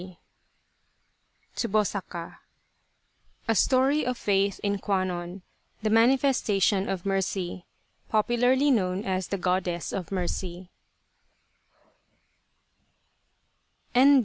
158 Tsubosaka A story of Faith in Kwannon, the Manifestation of Mercy (popularly known as the Goddess of Mercy) N.